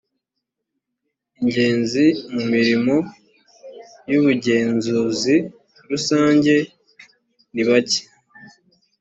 ingenzi mu mirimo y ubugenzuzi rusanjye nibake